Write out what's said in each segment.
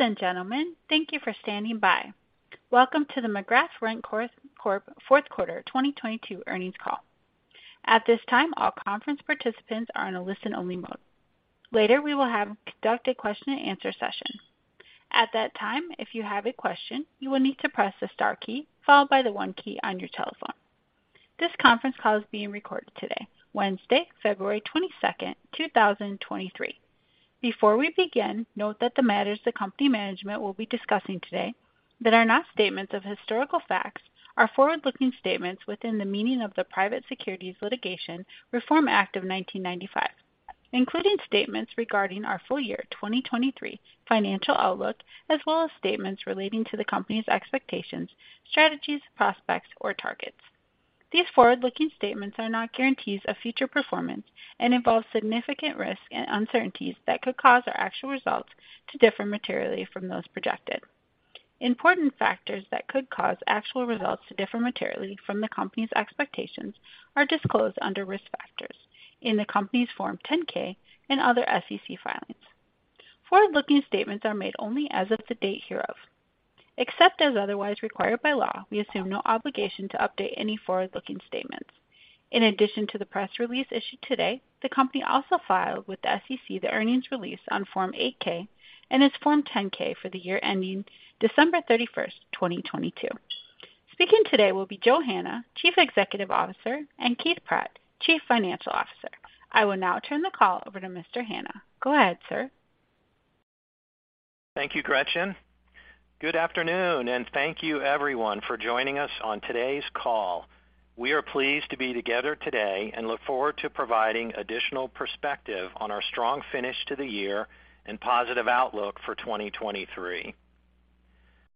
Ladies and gentlemen thank you for standing by. Welcome to the McGrath RentCorp fourth quarter 2022 earnings call. At this time, all conference participants are in a listen-only mode. Later, we will have conduct a question-and-answer session. At that time, if you have a question, you will need to press the star key followed by the one key on your telephone. This conference call is being recorded today, Wednesday, February 22nd, 2023. Before we begin, note that the matters the company management will be discussing today that are not statements of historical facts are forward-looking statements within the meaning of the Private Securities Litigation Reform Act of 1995, including statements regarding our full year 2023 financial outlook, as well as statements relating to the company's expectations, strategies, prospects, or targets. These forward-looking statements are not guarantees of future performance and involve significant risks and uncertainties that could cause our actual results to differ materially from those projected. Important factors that could cause actual results to differ materially from the company's expectations are disclosed under Risk Factors in the company's Form 10-K and other SEC filings. Forward-looking statements are made only as of the date hereof. Except as otherwise required by law, we assume no obligation to update any forward-looking statements. In addition to the press release issued today, the company also filed with the SEC the earnings release on Form 8-K and its Form 10-K for the year ending December 31, 2022. Speaking today will be Joe Hanna, Chief Executive Officer, and Keith Pratt, Chief Financial Officer. I will now turn the call over to Mr. Hanna. Go ahead sir. Thank you Gretchen. Good afternoon, and thank you everyone for joining us on today's call. We are pleased to be together today and look forward to providing additional perspective on our strong finish to the year and positive outlook for 2023.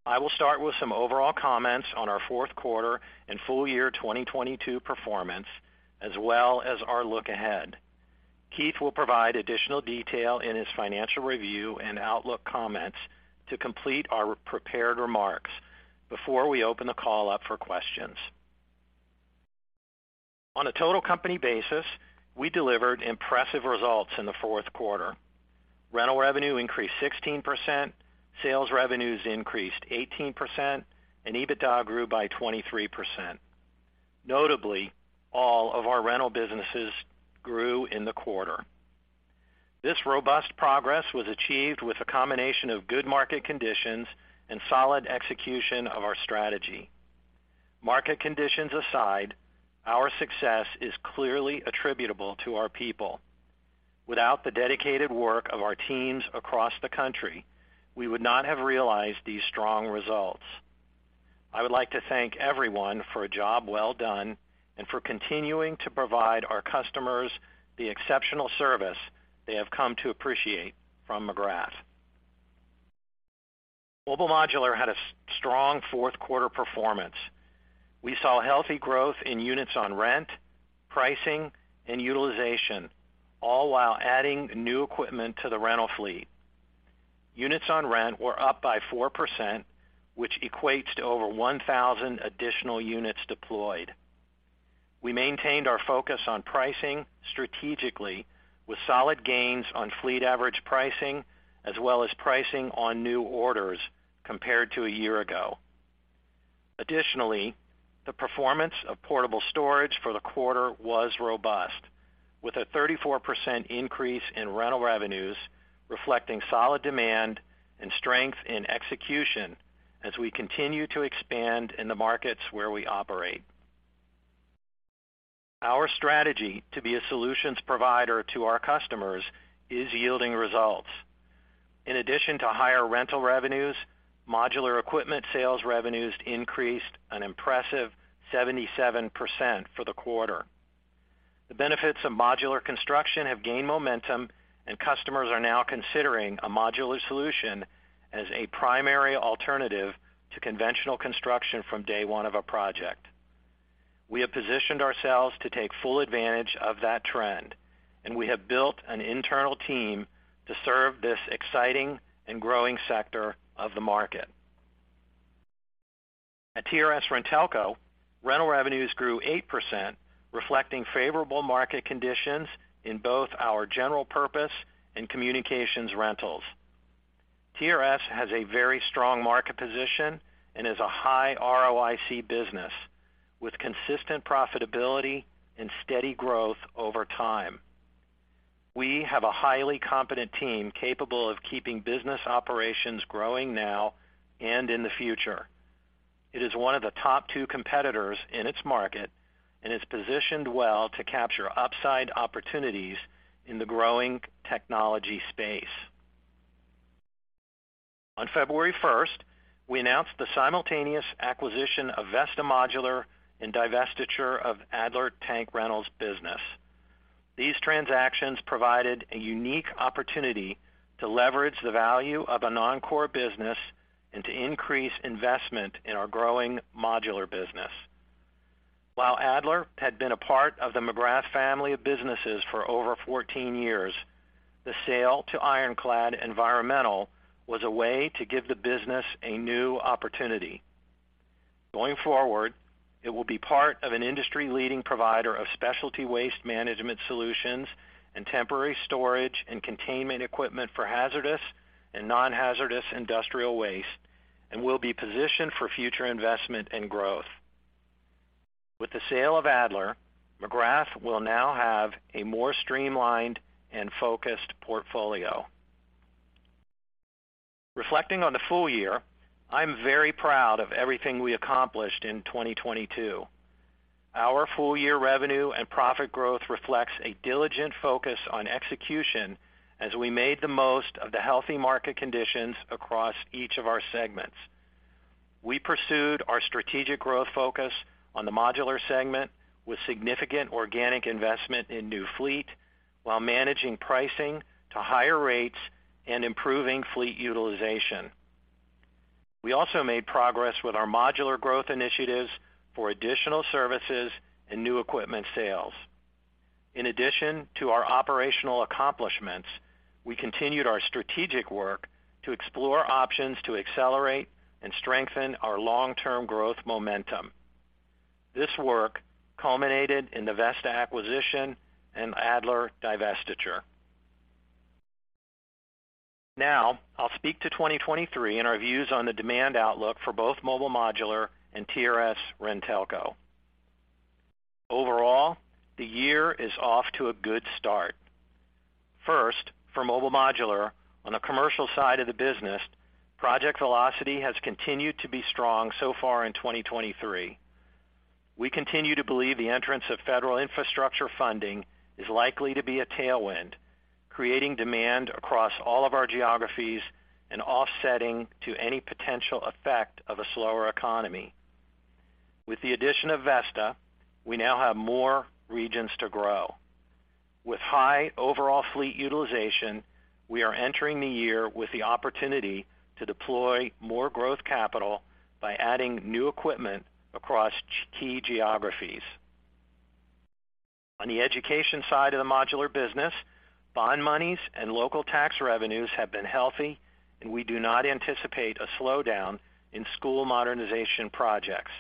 I will start with some overall comments on our fourth quarter and full year 2022 performance, as well as our look ahead. Keith will provide additional detail in his financial review and outlook comments to complete our prepared remarks before we open the call up for questions. On a total company basis, we delivered impressive results in the fourth quarter. Rental revenue increased 16%, sales revenues increased 18%, and EBITDA grew by 23%. Notably, all of our rental businesses grew in the quarter. This robust progress was achieved with a combination of good market conditions and solid execution of our strategy. Market conditions aside, our success is clearly attributable to our people. Without the dedicated work of our teams across the country, we would not have realized these strong results. I would like to thank everyone for a job well done and for continuing to provide our customers the exceptional service they have come to appreciate from McGrath. Mobile Modular had a strong fourth quarter performance. We saw healthy growth in units on rent, pricing, and utilization, all while adding new equipment to the rental fleet. Units on rent were up by 4%, which equates to over 1,000 additional units deployed. We maintained our focus on pricing strategically with solid gains on fleet average pricing as well as pricing on new orders compared to a year ago. Additionally, the performance of portable storage for the quarter was robust, with a 34% increase in rental revenues, reflecting solid demand and strength in execution as we continue to expand in the markets where we operate. Our strategy to be a solutions provider to our customers is yielding results. In addition to higher rental revenues, modular equipment sales revenues increased an impressive 77% for the quarter. The benefits of modular construction have gained momentum, and customers are now considering a modular solution as a primary alternative to conventional construction from day one of a project. We have positioned ourselves to take full advantage of that trend, and we have built an internal team to serve this exciting and growing sector of the market. At TRS-RenTelco, rental revenues grew 8% reflecting favorable market conditions in both our general purpose and communications rentals. TRS has a very strong market position and is a high ROIC business with consistent profitability and steady growth over time. We have a highly competent team capable of keeping business operations growing now and in the future. It is one of the top two competitors in its market and is positioned well to capture upside opportunities in the growing technology space. On February first, we announced the simultaneous acquisition of Vesta Modular and divestiture of Adler Tank Rentals business. These transactions provided a unique opportunity to leverage the value of a non-core business and to increase investment in our growing modular business. While Adler had been a part of the McGrath family of businesses for over 14 years, the sale to Ironclad Environmental was a way to give the business a new opportunity. Going forward, it will be part of an industry-leading provider of specialty waste management solutions and temporary storage and containment equipment for hazardous and non-hazardous industrial waste and will be positioned for future investment and growth. With the sale of Adler, McGrath will now have a more streamlined and focused portfolio. Reflecting on the full year, I'm very proud of everything we accomplished in 2022. Our full year revenue and profit growth reflects a diligent focus on execution as we made the most of the healthy market conditions across each of our segments. We pursued our strategic growth focus on the modular segment with significant organic investment in new fleet, while managing pricing to higher rates and improving fleet utilization. We also made progress with our modular growth initiatives for additional services and new equipment sales. In addition to our operational accomplishments, we continued our strategic work to explore options to accelerate and strengthen our long-term growth momentum. This work culminated in the Vesta acquisition and Adler divestiture. Now, I'll speak to 2023 and our views on the demand outlook for both Mobile Modular and TRS-RenTelco. Overall, the year is off to a good start. First, for Mobile Modular, on the commercial side of the business, project velocity has continued to be strong so far in 2023. We continue to believe the entrance of federal infrastructure funding is likely to be a tailwind, creating demand across all of our geographies and offsetting to any potential effect of a slower economy. With the addition of Vesta, we now have more regions to grow. With high overall fleet utilization, we are entering the year with the opportunity to deploy more growth capital by adding new equipment across key geographies. On the education side of the modular business, bond monies and local tax revenues have been healthy, and we do not anticipate a slowdown in school modernization projects.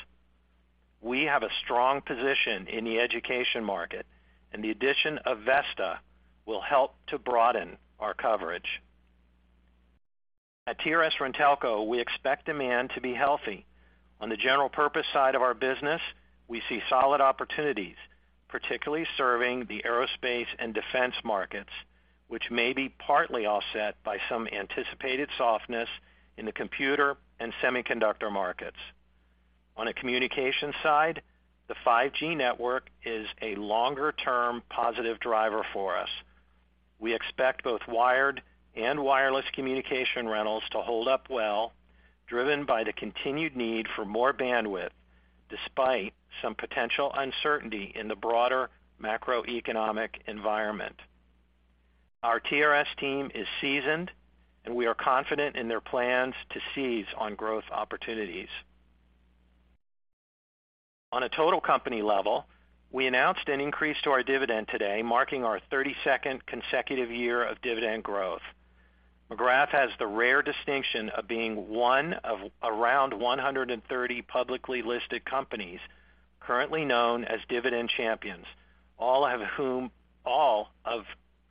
We have a strong position in the education market, and the addition of Vesta will help to broaden our coverage. At TRS-RenTelco, we expect demand to be healthy. On the general purpose side of our business, we see solid opportunities, particularly serving the aerospace and defense markets, which may be partly offset by some anticipated softness in the computer and semiconductor markets. On a communication side, the 5G network is a longer-term positive driver for us. We expect both wired and wireless communication rentals to hold up well, driven by the continued need for more bandwidth despite some potential uncertainty in the broader macroeconomic environment. Our TRS team is seasoned, and we are confident in their plans to seize on growth opportunities. On a total company level, we announced an increase to our dividend today, marking our 32nd consecutive year of dividend growth. McGrath has the rare distinction of being one of around 130 publicly listed companies currently known as Dividend Champions, all of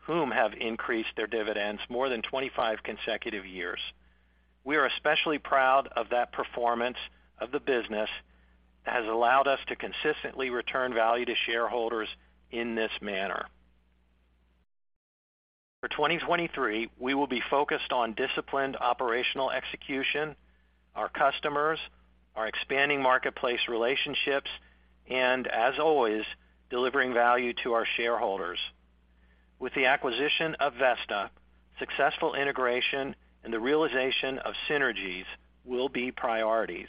whom have increased their dividends more than 25 consecutive years. We are especially proud of that performance of the business that has allowed us to consistently return value to shareholders in this manner. For 2023, we will be focused on disciplined operational execution, our customers, our expanding marketplace relationships, and as always, delivering value to our shareholders. With the acquisition of Vesta, successful integration and the realization of synergies will be priorities.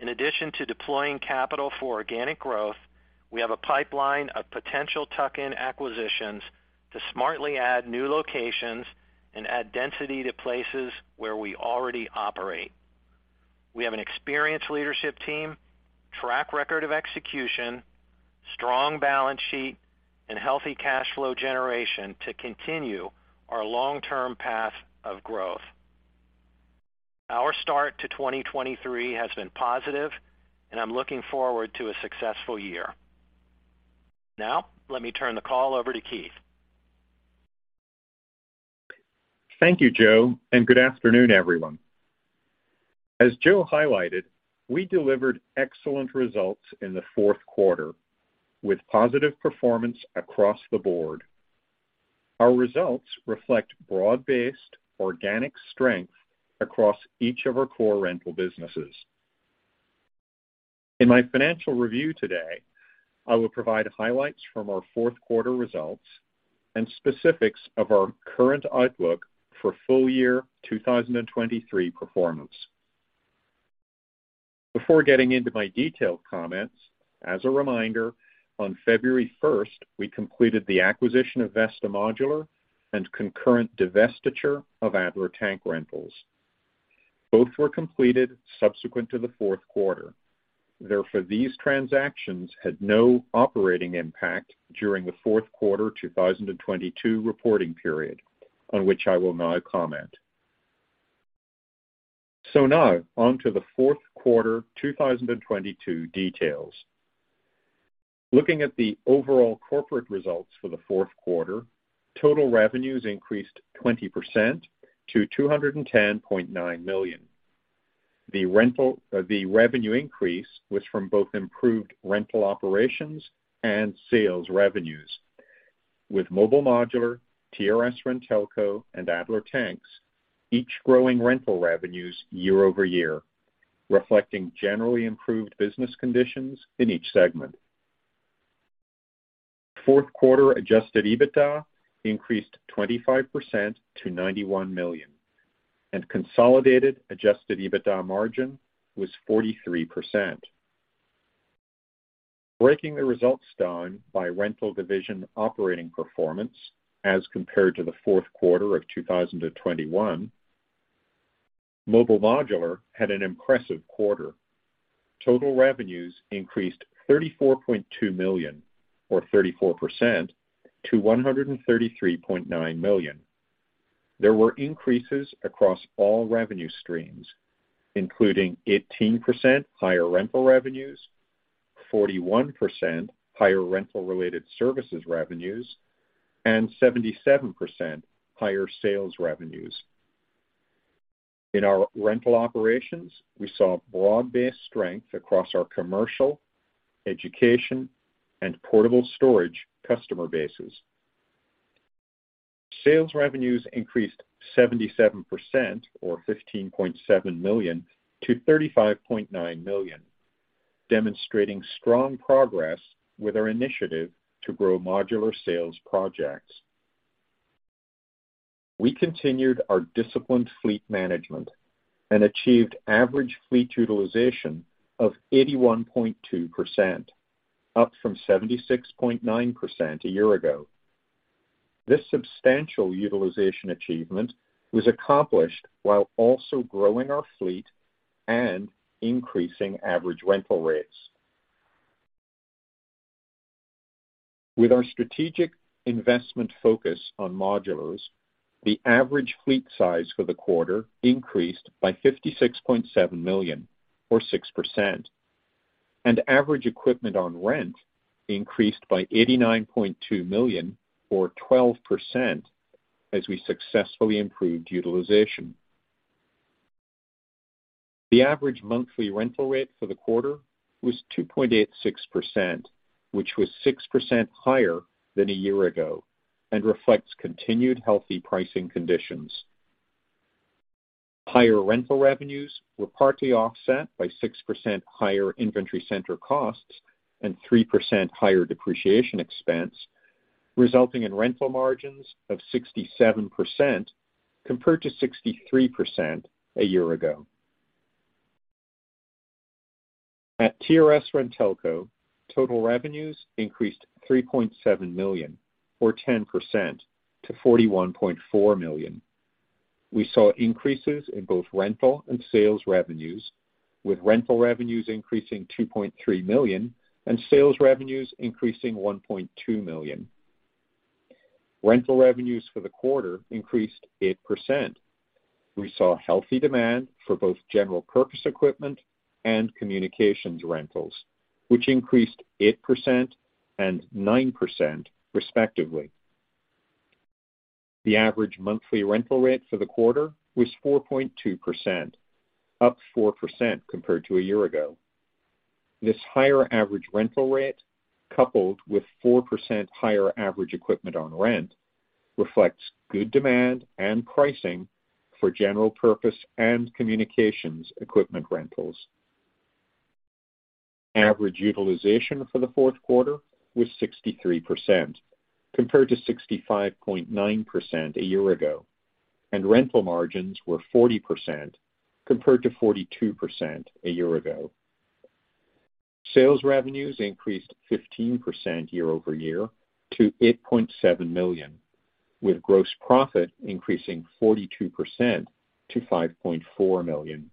In addition to deploying capital for organic growth, we have a pipeline of potential tuck-in acquisitions to smartly add new locations and add density to places where we already operate. We have an experienced leadership team, track record of execution, strong balance sheet, and healthy cash flow generation to continue our long-term path of growth. Our start to 2023 has been positive, and I'm looking forward to a successful year. Let me turn the call over to Keith. Thank you Joe and good afternoon everyone. As Joe highlighted, we delivered excellent results in the fourth quarter with positive performance across the board. Our results reflect broad-based organic strength across each of our core rental businesses. In my financial review today, I will provide highlights from our fourth quarter results and specifics of our current outlook for full year 2023 performance. Before getting into my detailed comments, as a reminder, on February 1st, we completed the acquisition of Vesta Modular and concurrent divestiture of Adler Tank Rentals. Both were completed subsequent to the fourth quarter. Therefore, these transactions had no operating impact during the fourth quarter 2022 reporting period. On which I will now comment. Now on to the fourth quarter 2022 details. Looking at the overall corporate results for the fourth quarter, total revenues increased 20% to $210.9 million. The revenue increase was from both improved rental operations and sales revenues, with Mobile Modular, TRS-RenTelco, and Adler Tanks each growing rental revenues year-over-year, reflecting generally improved business conditions in each segment. Fourth quarter Adjusted EBITDA increased 25% to $91 million, and consolidated Adjusted EBITDA margin was 43%. Breaking the results down by rental division operating performance as compared to the fourth quarter of 2021, Mobile Modular had an impressive quarter. Total revenues increased $34.2 million, or 34% to $133.9 million. There were increases across all revenue streams, including 18% higher rental revenues, 41% higher rental related services revenues, and 77% higher sales revenues. In our rental operations, we saw broad-based strength across our commercial, education, and portable storage customer bases. Sales revenues increased 77% or $15.7 million to $35.9 million, demonstrating strong progress with our initiative to grow modular sales projects. We continued our disciplined fleet management and achieved average fleet utilization of 81.2%, up from 76.9% a year ago. This substantial utilization achievement was accomplished while also growing our fleet and increasing average rental rates. With our strategic investment focus on modulars, the average fleet size for the quarter increased by $56.7 million or 6%, and average equipment on rent increased by $89.2 million or 12% as we successfully improved utilization. The average monthly rental rate for the quarter was 2.86%, which was 6% higher than a year ago and reflects continued healthy pricing conditions. Higher rental revenues were partly offset by 6% higher inventory center costs and 3% higher depreciation expense, resulting in rental margins of 67% compared to 63% a year ago. At TRS-RenTelco, total revenues increased $3.7 million or 10% to $41.4 million. We saw increases in both rental and sales revenues, with rental revenues increasing $2.3 million and sales revenues increasing $1.2 million. Rental revenues for the quarter increased 8%. We saw healthy demand for both general purpose equipment and communications rentals, which increased 8% and 9% respectively. The average monthly rental rate for the quarter was 4.2%, up 4% compared to a year ago. This higher average rental rate, coupled with 4% higher average equipment on rent, reflects good demand and pricing for general purpose and communications equipment rentals. Average utilization for the fourth quarter was 63%, compared to 65.9% a year ago, and rental margins were 40% compared to 42% a year ago. Sales revenues increased 15% year-over-year to $8.7 million, with gross profit increasing 42% to $5.4 million.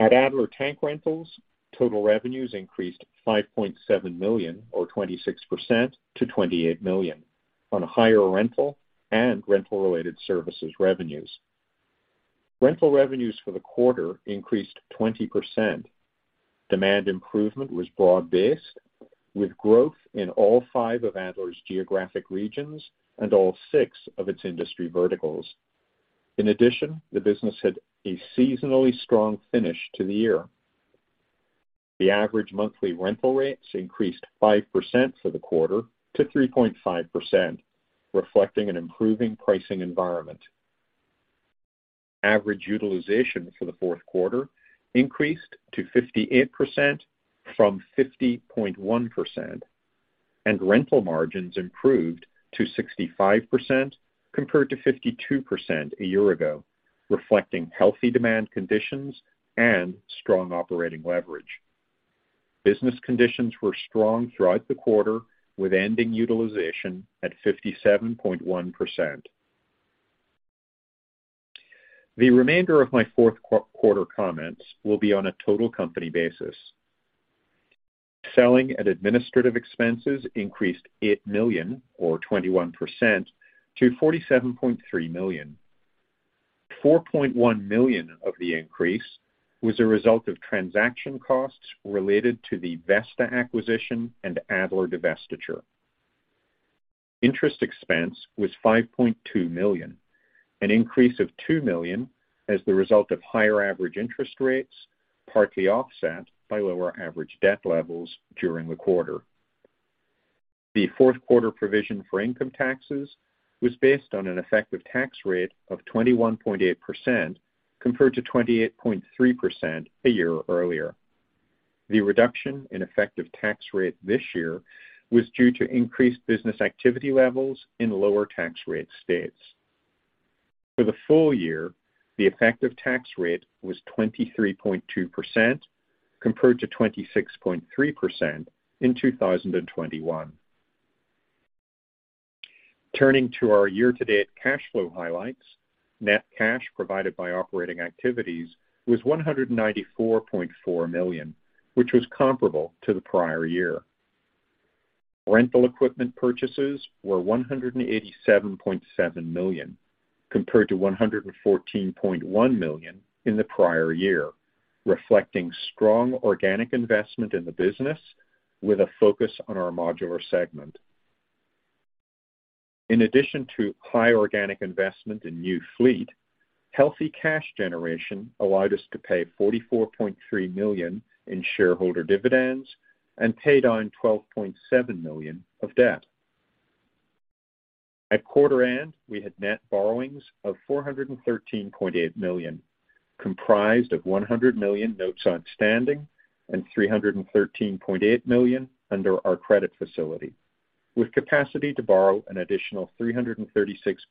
At Adler Tank Rentals, total revenues increased $5.7 million or 26% to $28 million on a higher rental and rental related services revenues. Rental revenues for the quarter increased 20%. Demand improvement was broad-based, with growth in all five of Adler's geographic regions and all six of its industry verticals. The business had a seasonally strong finish to the year. The average monthly rental rates increased 5% for the quarter to 3.5%, reflecting an improving pricing environment. Average utilization for the fourth quarter increased to 58% from 50.1%, and rental margins improved to 65% compared to 52% a year ago, reflecting healthy demand conditions and strong operating leverage. Business conditions were strong throughout the quarter, with ending utilization at 57.1%. The remainder of my fourth quarter comments will be on a total company basis. Selling and Administrative Expenses increased $8 million or 21% to $47.3 million. $4.1 million of the increase was a result of transaction costs related to the Vesta acquisition and Adler divestiture. Interest expense was $5.2 million, an increase of $2 million as the result of higher average interest rates, partly offset by lower average debt levels during the quarter. The fourth quarter provision for income taxes was based on an effective tax rate of 21.8% compared to 28.3% a year earlier. The reduction in effective tax rate this year was due to increased business activity levels in lower tax rate states. For the full year, the effective tax rate was 23.2% compared to 26.3% in 2021. Turning to our year-to-date cash flow highlights. Net cash provided by operating activities was $194.4 million, which was comparable to the prior year. Rental equipment purchases were $187.7 million, compared to $114.1 million in the prior year, reflecting strong organic investment in the business with a focus on our modular segment. In addition to high organic investment in new fleet, healthy cash generation allowed us to pay $44.3 million in shareholder dividends and paid on $12.7 million of debt. At quarter end, we had net borrowings of $413.8 million, comprised of $100 million notes outstanding and $313.8 million under our credit facility, with capacity to borrow an additional $336.2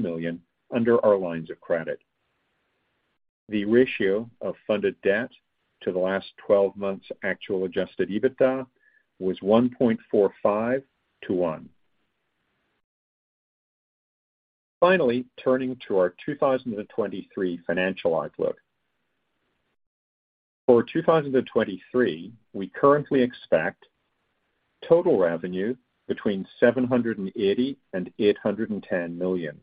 million under our lines of credit. The ratio of funded debt to the last twelve months actual Adjusted EBITDA was 1.45 to 1. Finally, turning to our 2023 financial outlook. For 2023, we currently expect total revenue between $780 million and $810 million,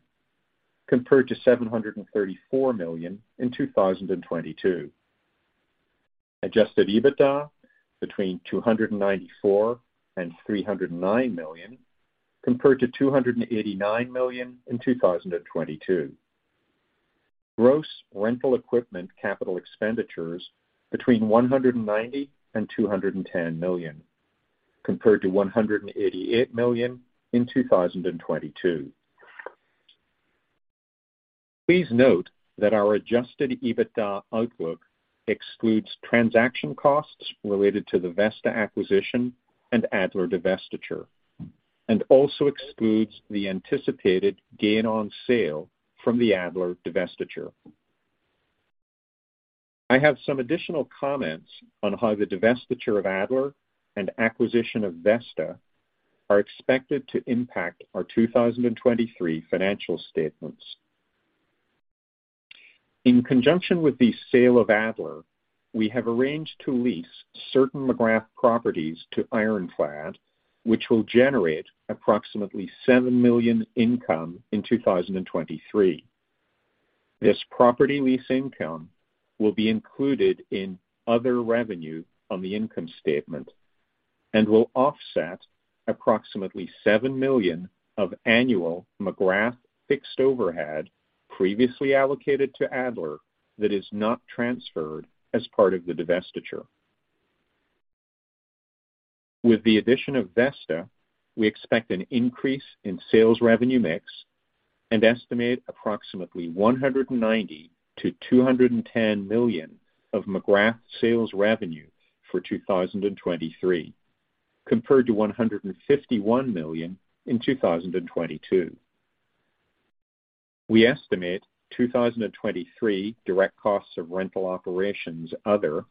compared to $734 million in 2022. Adjusted EBITDA between $294 million and $309 million compared to $289 million in 2022. Gross rental equipment capital expenditures between $190 million and $210 million compared to $188 million in 2022. Please note that our Adjusted EBITDA outlook excludes transaction costs related to the Vesta acquisition and Adler divestiture, and also excludes the anticipated gain on sale from the Adler divestiture. I have some additional comments on how the divestiture of Adler and acquisition of Vesta are expected to impact our 2023 financial statements. In conjunction with the sale of Adler, we have arranged to lease certain McGrath properties to Ironclad, which will generate approximately $7 million income in 2023. This property lease income will be included in other revenue on the income statement and will offset approximately $7 million of annual McGrath fixed overhead previously allocated to Adler that is not transferred as part of the divestiture. With the addition of Vesta, we expect an increase in sales revenue mix and estimate approximately $190 million-$210 million of McGrath sales revenue for 2023 compared to $151 million in 2022. We estimate 2023 direct costs of rental operations other,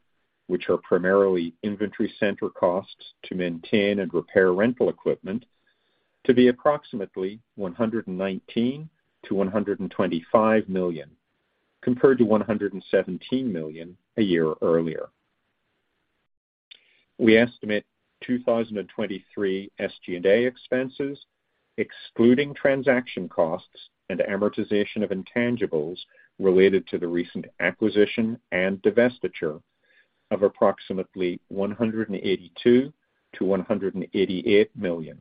which are primarily inventory center costs to maintain and repair rental equipment to be approximately $119 million-$125 million compared to $117 million a year earlier. We estimate 2023 SG&A expenses, excluding transaction costs and amortization of intangibles related to the recent acquisition and divestiture of approximately $182 million-$188 million.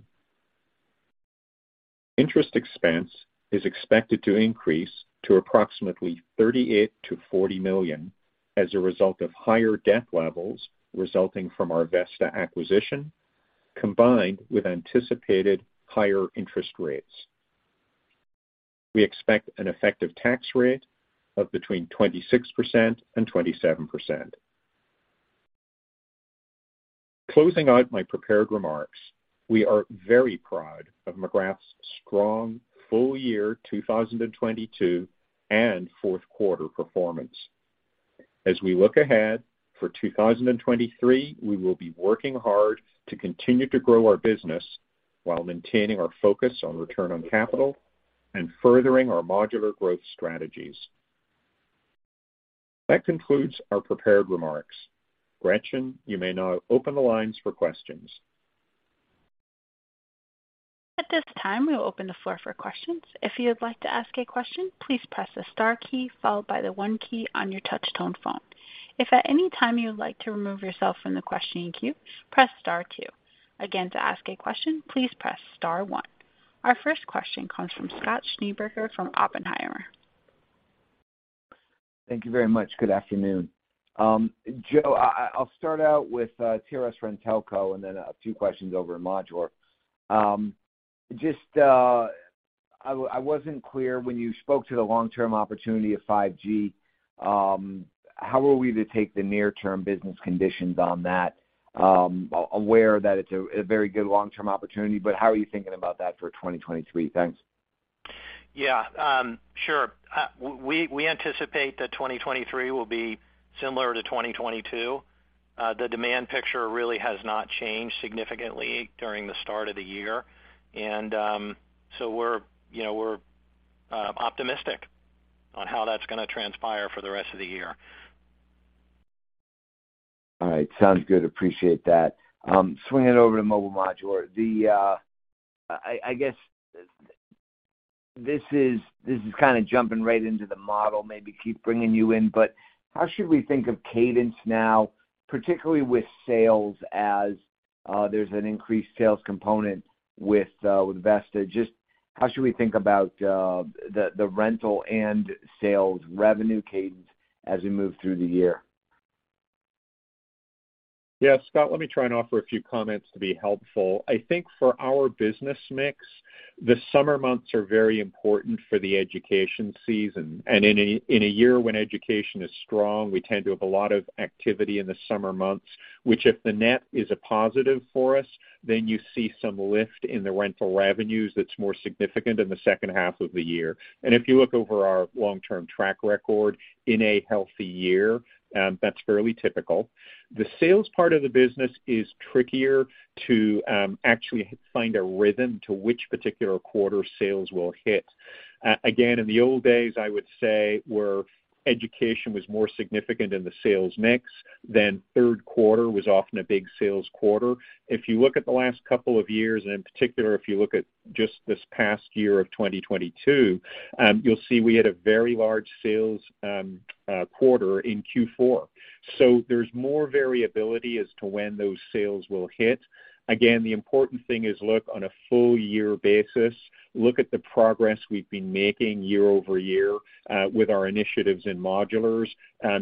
Interest expense is expected to increase to approximately $38 million-$40 million as a result of higher debt levels resulting from our Vesta acquisition, combined with anticipated higher interest rates. We expect an effective tax rate of between 26% and 27%. Closing out my prepared remarks, we are very proud of McGrath's strong full year 2022 and fourth quarter performance. As we look ahead for 2023, we will be working hard to continue to grow our business while maintaining our focus on return on capital and furthering our modular growth strategies. That concludes our prepared remarks. Gretchen, you may now open the lines for questions. At this time, we will open the floor for questions. If you would like to ask a question, please press the star key followed by the one key on your touch tone phone. If at any time you would like to remove yourself from the questioning queue, press star two. Again, to ask a question, please press star one. Our first question comes from Scott Schneeberger from Oppenheimer. Thank you very much. Good afternoon. Joe, I'll start out with TRS-RenTelco and then a few questions over in Modular. Just, I wasn't clear when you spoke to the long-term opportunity of 5G, how are we to take the near term business conditions on that, aware that it's a very good long-term opportunity, but how are you thinking about that for 2023? Thanks. Yeah sure. We anticipate that 2023 will be similar to 2022. The demand picture really has not changed significantly during the start of the year. We're, you know, we're optimistic on how that's gonna transpire for the rest of the year. All right. Sounds good. Appreciate that. Swinging over to Mobile Modular, the, I guess this is kinda jumping right into the model, maybe keep bringing you in, but how should we think of cadence now, particularly with sales as there's an increased sales component with Vesta? Just how should we think about the rental and sales revenue cadence as we move through the year? Yeah, Scott, let me try and offer a few comments to be helpful. I think for our business mix, the summer months are very important for the education season. In a year when education is strong, we tend to have a lot of activity in the summer months, which if the net is a positive for us, then you see some lift in the rental revenues that's more significant in the second half of the year. If you look over our long-term track record in a healthy year, that's fairly typical. The sales part of the business is trickier to actually find a rhythm to which particular quarter sales will hit. Again, in the old days, I would say where education was more significant in the sales mix, then third quarter was often a big sales quarter. If you look at the last couple of years, and in particular, if you look at just this past year of 2022, you'll see we had a very large sales quarter in Q4. There's more variability as to when those sales will hit. Again, the important thing is look on a full year basis, look at the progress we've been making year-over-year with our initiatives in modulars.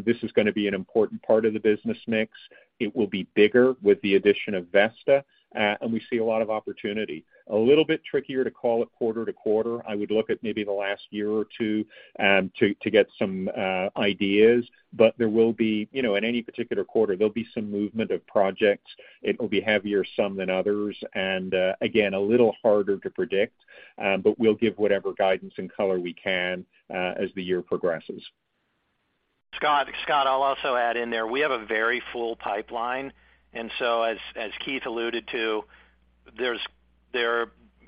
This is gonna be an important part of the business mix. It will be bigger with the addition of Vesta, and we see a lot of opportunity. A little bit trickier to call it quarter-to-quarter. I would look at maybe the last year or two, to get some ideas. There will be, you know, in any particular quarter, there'll be some movement of projects. It will be heavier some than others, again, a little harder to predict. We'll give whatever guidance and color we can as the year progresses. Scott, I'll also add in there, we have a very full pipeline. As Keith alluded to, there's,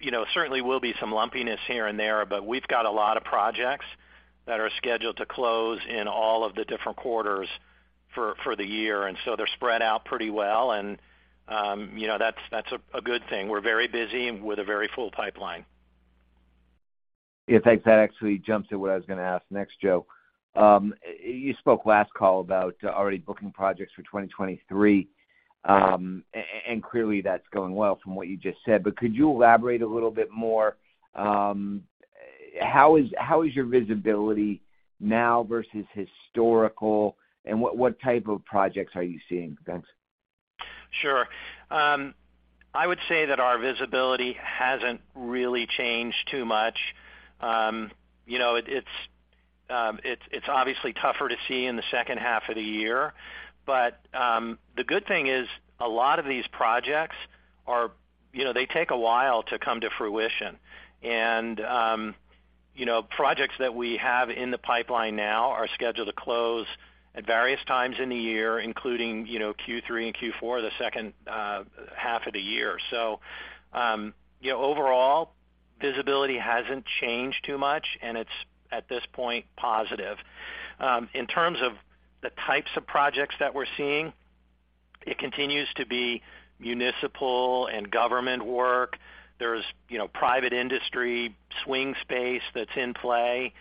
you know, certainly will be some lumpiness here and there, but we've got a lot of projects that are scheduled to close in all of the different quarters for the year, and so they're spread out pretty well. You know, that's a good thing. We're very busy with a very full pipeline. Yeah thanks. That actually jumps to what I was gonna ask next, Joe. You spoke last call about already booking projects for 2023. Clearly, that's going well from what you just said, but could you elaborate a little bit more, how is your visibility now versus historical, and what type of projects are you seeing? Thanks. Sure. I would say that our visibility hasn't really changed too much. You know, it's, it's obviously tougher to see in the second half of the year. The good thing is a lot of these projects are, you know, they take a while to come to fruition. You know, projects that we have in the pipeline now are scheduled to close at various times in the year, including, you know, Q3 and Q4, the second half of the year. You know, overall, visibility hasn't changed too much, and it's, at this point, positive. In terms of the types of projects that we're seeing, it continues to be municipal and government work. There's, you know, private industry, swing space that's in play.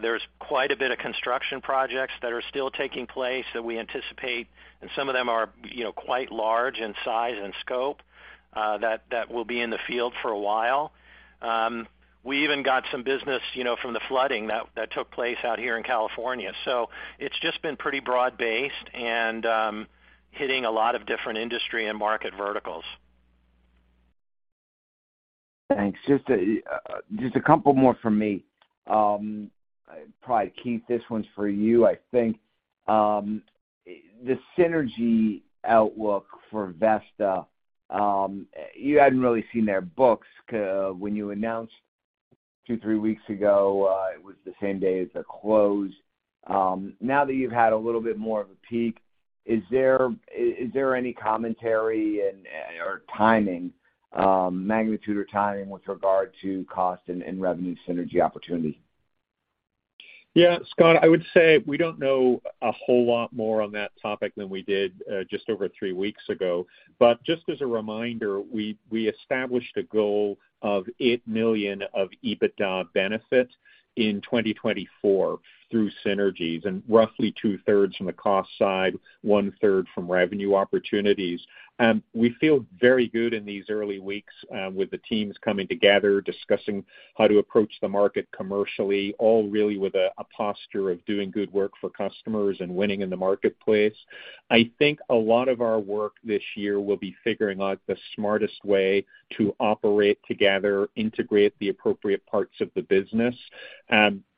There's quite a bit of construction projects that are still taking place that we anticipate, and some of them are, you know, quite large in size and scope, that will be in the field for a while. We even got some business, you know, from the flooding that took place out here in California. It's just been pretty broad-based and hitting a lot of different industry and market verticals. Thanks. Just a couple more from me. Probably Keith, this one's for you, I think. The synergy outlook for Vesta, you hadn't really seen their books when you announced 2, 3 weeks ago, it was the same day as the close. Now that you've had a little bit more of a peak, is there any commentary and, or timing, magnitude or timing with regard to cost and revenue synergy opportunity? Yeah Scott, I would say we don't know a whole lot more on that topic than we did just over three weeks ago. Just as a reminder, we established a goal of $8 million of EBITDA benefits in 2024 through synergies and roughly two-thirds from the cost side, one-third from revenue opportunities. We feel very good in these early weeks, with the teams coming together, discussing how to approach the market commercially, all really with a posture of doing good work for customers and winning in the marketplace. I think a lot of our work this year will be figuring out the smartest way to operate together, integrate the appropriate parts of the business.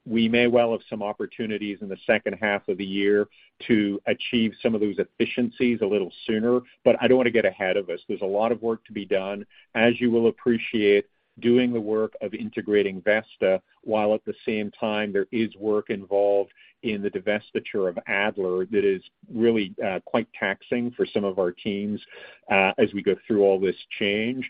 We may well have some opportunities in the second half of the year to achieve some of those efficiencies a little sooner, but I don't wanna get ahead of us. There's a lot of work to be done. As you will appreciate, doing the work of integrating Vesta, while at the same time there is work involved in the divestiture of Adler that is really quite taxing for some of our teams, as we go through all this change.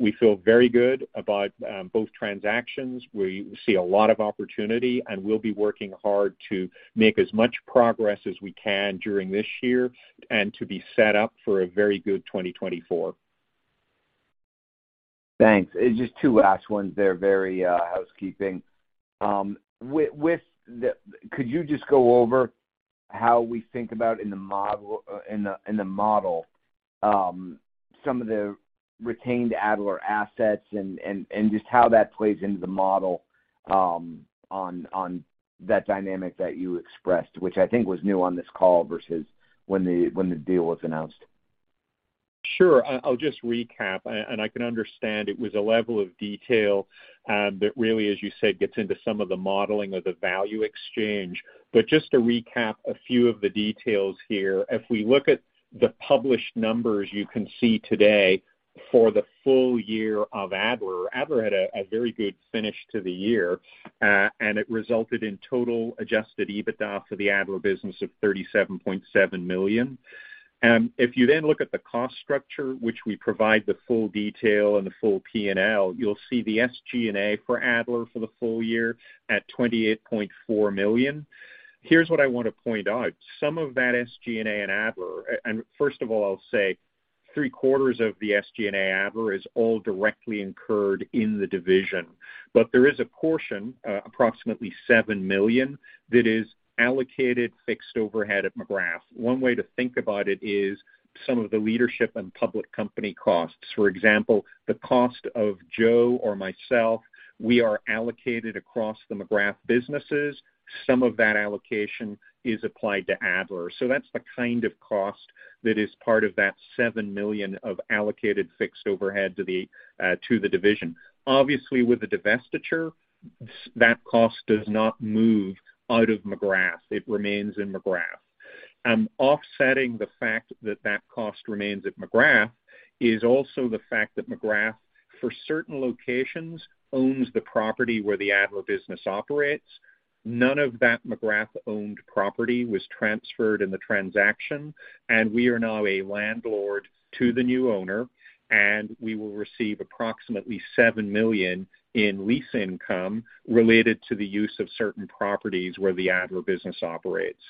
We feel very good about both transactions. We see a lot of opportunity, and we'll be working hard to make as much progress as we can during this year and to be set up for a very good 2024. Thanks. Just two last ones. They're very, housekeeping. With the, could you just go over how we think about in the model some of the retained Adler assets and just how that plays into the model on that dynamic that you expressed, which I think was new on this call versus when the deal was announced? Sure. I'll just recap. I can understand it was a level of detail that really, as you said, gets into some of the modeling of the value exchange. Just to recap a few of the details here. If we look at the published numbers you can see today for the full year of Adler had a very good finish to the year, and it resulted in total Adjusted EBITDA for the Adler business of $37.7 million. If you look at the cost structure, which we provide the full detail and the full P&L, you'll see the SG&A for Adler for the full year at $28.4 million. Here's what I wanna point out. Some of that SG&A in Adler. First of all, I'll say three-quarters of the SG&A Adler is all directly incurred in the division. There is a portion, approximately $7 million, that is allocated fixed overhead at McGrath. One way to think about it is some of the leadership and public company costs. For example, the cost of Joe or myself, we are allocated across the McGrath businesses. Some of that allocation is applied to Adler. That's the kind of cost that is part of that $7 million of allocated fixed overhead to the division. Obviously, with the divestiture, that cost does not move out of McGrath. It remains in McGrath, and offsetting the fact that that cost remains at McGrath is also the fact that McGrath, for certain locations, owns the property where the Adler business operates. None of that McGrath-owned property was transferred in the transaction. We are now a landlord to the new owner. We will receive approximately $7 million in lease income related to the use of certain properties where the Adler business operates.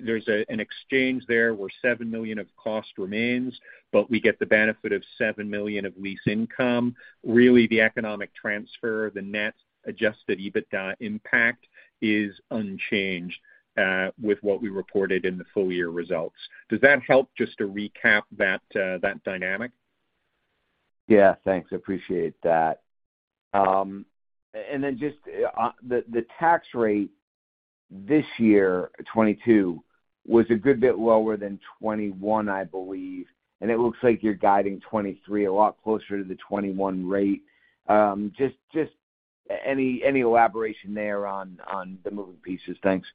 There's an exchange there where $7 million of cost remains, but we get the benefit of $7 million of lease income. Really, the economic transfer, the net Adjusted EBITDA impact is unchanged with what we reported in the full year results. Does that help just to recap that dynamic? Yeah. Thanks appreciate that. Just the tax rate this year 2022, was a good bit lower than 2021, I believe. It looks like you're guiding 2023 a lot closer to the 2021 rate. Just any elaboration there on the moving pieces? Thanks.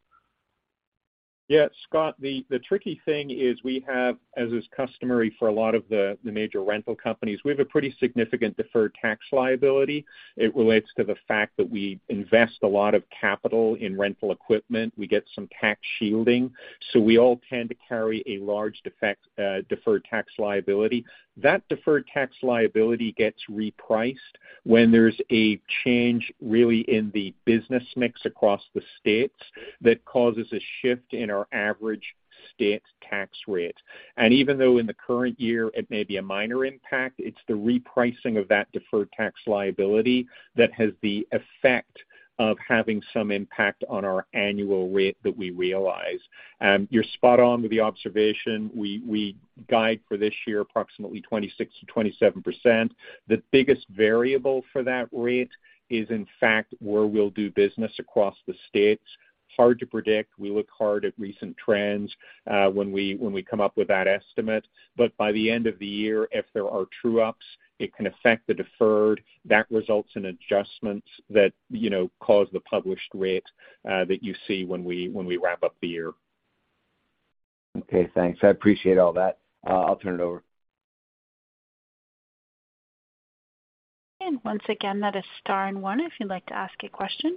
Yeah Scott. The tricky thing is we have, as is customary for a lot of the major rental companies, we have a pretty significant deferred tax liability. It relates to the fact that we invest a lot of capital in rental equipment. We get some tax shielding. We all tend to carry a large deferred tax liability. That deferred tax liability gets repriced when there's a change really in the business mix across the States that causes a shift in our average state tax rate. Even though in the current year it may be a minor impact, it's the repricing of that deferred tax liability that has the effect of having some impact on our annual rate that we realize. You're spot on with the observation. We guide for this year approximately 26%-27%. The biggest variable for that rate is, in fact, where we'll do business across the States. Hard to predict. We look hard at recent trends when we come up with that estimate. By the end of the year, if there are true ups, it can affect the deferred. That results in adjustments that, you know, cause the published rate that you see when we wrap up the year. Okay thanks. I appreciate all that. I'll turn it over. Once again, that is star and one if you'd like to ask a question.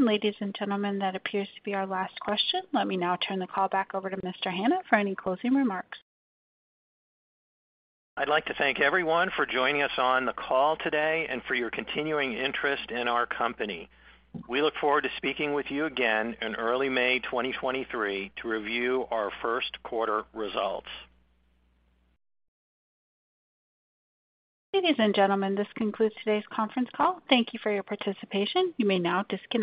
Ladies and gentlemen, that appears to be our last question. Let me now turn the call back over to Mr. Hanna for any closing remarks. I'd like to thank everyone for joining us on the call today and for your continuing interest in our company. We look forward to speaking with you again in early May 2023 to review our first quarter results. Ladies and gentlemen, this concludes today's conference call. Thank you for your participation. You may now disconnect.